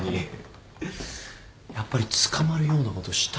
やっぱり捕まるようなことしたの？